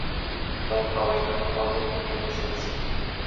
Fue Robert Horry en esencia.